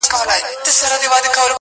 o له جهان سره به سیال سيقاسم یاره,